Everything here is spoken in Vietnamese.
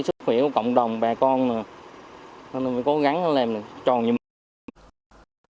sức khỏe của cộng đồng bà con chúng tôi cố gắng làm tròn như mắt